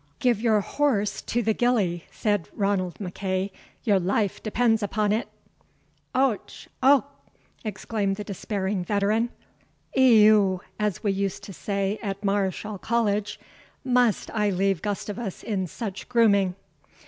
"Give your horse to the gillie," said Ranald MacEagh; "your life depends upon it." "Och! och!" exclaimed the despairing veteran; "Eheu! as we used to say at Mareschal College, must I leave Gustavus in such grooming!"